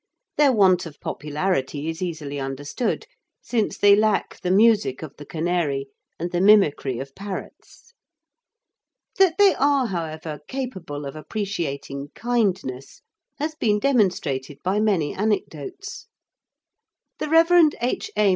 Their want of popularity is easily understood, since they lack the music of the canary and the mimicry of parrots. That they are, however, capable of appreciating kindness has been demonstrated by many anecdotes. The Rev. H. A.